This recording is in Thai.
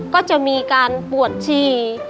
ก็จะมีการปวดฉี่